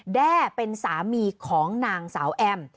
แด้เป็นสามีของนางสาวแอม